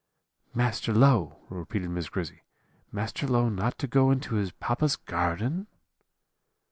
"'Master Low!' repeated Miss Grizzy; 'Master Low not to go into his papa's garden?'